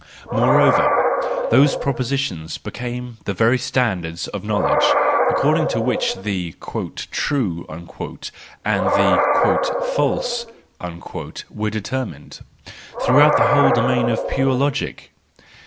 Moreover, those propositions became the very standards of knowledge according to which the " true " and the " false " were determined— throughout the whole domain of pure logic.